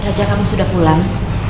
raja kamu sudah pulang